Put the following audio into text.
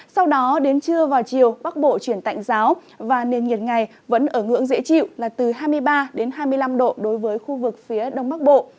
sau đó đến trưa vào chiều bắc bộ chuyển tạnh giáo và nền nhiệt ngày vẫn ở ngưỡng dễ chịu là từ hai mươi ba hai mươi năm độ đối với khu vực phía đông bắc bộ